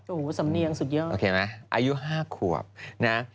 โอ้โหสำเนียงสุดยอดโอเคไหมอายุ๕ขวบนะ